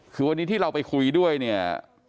คือวันนี้ที่เราไปคุยด้วยเนี่ย